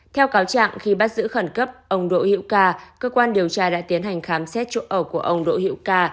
theo cáo trạng khi bắt giữ khẩn cấp ông đỗ hữu ca cơ quan điều tra đã tiến hành khám xét chỗ ở của ông đỗ hiệu ca